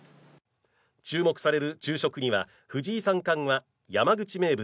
注目される昼食には藤井三冠は山口名物